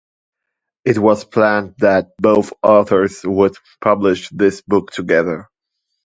It was planned that both authors would publish this book together.